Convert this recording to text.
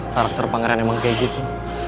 karakter pangeran emang kayak gitu